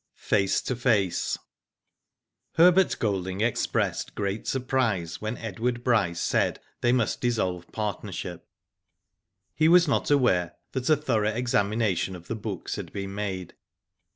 FACE TO FACE. Herbert Golding expressed great surprise when Edward Bryce said they must dissolve partner ship. He was not aware that a thorough examination of the books had been made.